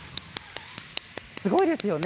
すごいですよね。